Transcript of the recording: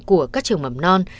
của các trường mầm non